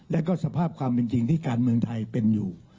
และก็สภาพความเป็นจริงที่การเมืองไทยเป็นอยู่